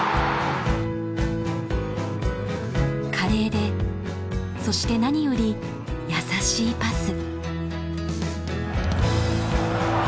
華麗でそして何より優しいパス。